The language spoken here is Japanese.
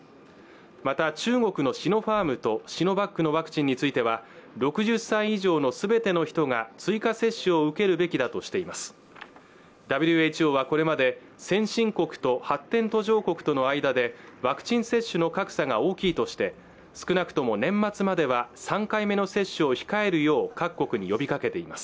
また中国のシノファームとシノバックのワクチンについては６０歳以上の全ての人が追加接種を受けるべきだとしていますＷＨＯはこれまで先進国と発展途上国との間でワクチン接種の格差が大きいとして少なくとも年末までは３回目の接種を控えるよう各国に呼びかけています